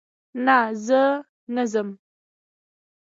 نه، زه نه ځم